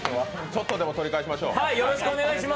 ちょっとでも取り返しましょう。